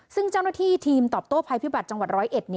ซึ่งเจ้าหน้าที่ทีมตอบโต้ภัยพิบัตรจังหวัด๑๐๑